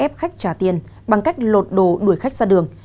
ép khách trả tiền bằng cách lột đồ đuổi khách ra đường